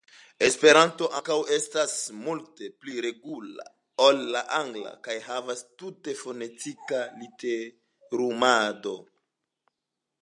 Esperanto ankaŭ estas multe pli regula ol la angla kaj havas tute fonetika literumado.